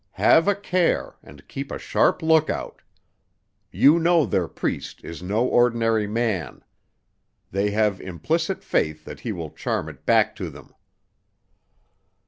Have a care and keep a sharp lookout. You know their priest is no ordinary man. They have implicit faith that he will charm it back to them."